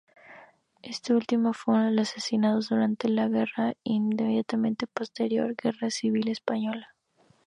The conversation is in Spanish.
Este último fue uno de los asesinados durante la inmediatamente posterior Guerra Civil española.